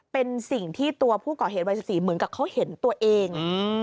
เป็นสิ่งที่ตัวผู้ก่อเหตุวัย๑๔เหมือนกับเขาเห็นตัวเอง